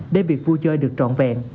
để việc vui chơi được trọn vẹn